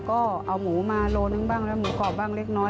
ก็เอาหมูมาโลนึงบ้างแล้วหมูกรอบบ้างเล็กน้อย